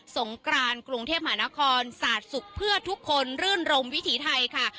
งกรานกรุงเทพมหานครสาดสุขเพื่อทุกคนรื่นรมวิถีไทยค่ะ